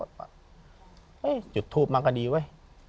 จุดทูปมาก็ดีเว้ย